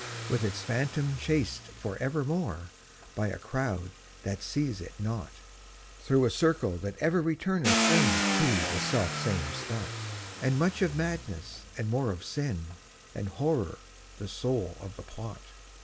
With its Phantom chased for evermore, By a crowd that seize it not, Through a circle that ever returneth in To the self same spot, And much of Madness, and more of Sin, And Horror the soul of the plot.